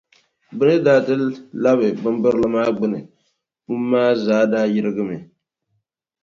Bɛ ni daa ti labi bimbirili maa gbuni, pum maa zaa daa yirigimi.